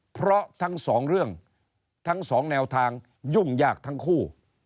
เพราะทั้งสองเรื่องทั้งสองแนวทางยุ่งยากทั้งคู่